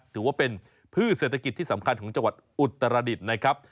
ถือว่าเป็นพืชเศรษฐกิจที่สำคัญของจังหวัดอุตรดิษฐ์นะครับ